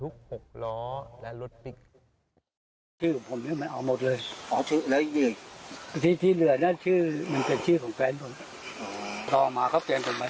เขาเริ่มมาบุกเมื่อไหร่ตอนปีไหนที่เขาเริ่ม